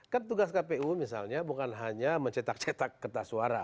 kan tugas kpu misalnya bukan hanya mencetak cetak kertas suara